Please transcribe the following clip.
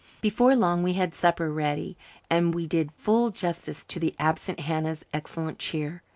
Before long we had supper ready and we did full justice to the absent Hannah's excellent cheer.